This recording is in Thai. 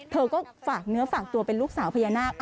เธอก็ฝากเนื้อฝากตัวเป็นลูกสาวพญานาค